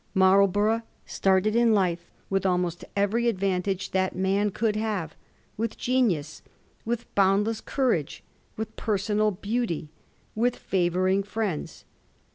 Marlborough started in life with almost every advantage that man could have — ^with genius, with boundless courage, with personal beauty, with favouring friends.